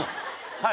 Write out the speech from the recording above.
はい。